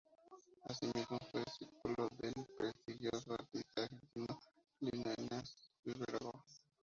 Asimismo, fue discípulo del prestigioso artista argentino Lino Eneas Spilimbergo.